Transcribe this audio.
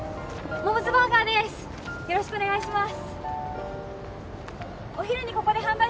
モモズバーガーです